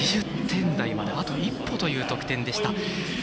８０点台まであと一歩という得点でした。